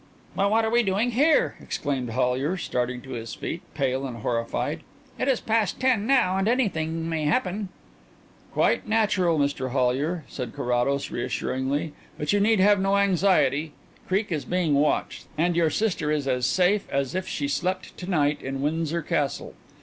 "But what are we doing here!" exclaimed Hollyer, starting to his feet, pale and horrified. "It is past ten now and anything may happen." "Quite natural, Mr Hollyer," said Carrados reassuringly, "but you need have no anxiety. Creake is being watched, the house is being watched, and your sister is as safe as if she slept to night in Windsor Castle.